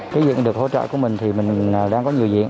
cái việc được hỗ trợ của mình thì mình đang có nhiều việc